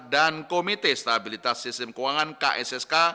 dan komite stabilitas sistem keuangan kssk